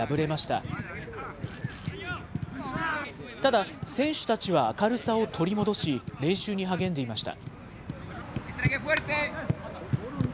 ただ、選手たちは明るさを取り戻し、練習に励んでいました。